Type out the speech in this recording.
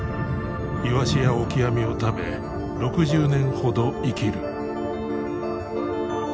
イワシやオキアミを食べ６０年ほど生きる。